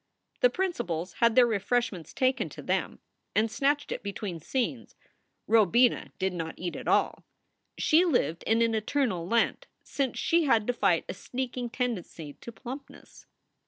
The principals had their refreshments taken to them, and snatched it between scenes. Robina did not eat at all. She 132 SOULS FOR SALE lived in an eternal Lent, since she had to fight a sneaking tendency to plumpness.